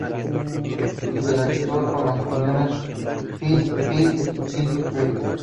Interactúa con las uniones Phe-Phe y Phe-Tyr.